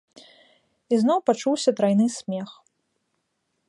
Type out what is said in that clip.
І зноў пачуўся трайны смех.